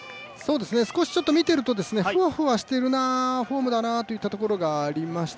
少し見てると、ふわふわしてるなフォームだなといったところがありました。